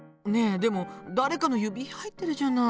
でも誰かの指入ってるじゃない。